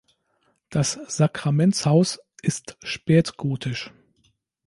Das Sakramentshaus ist spätgotisch.